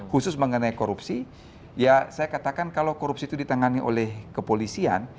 khusus mengenai korupsi ya saya katakan kalau korupsi itu ditangani oleh kepolisian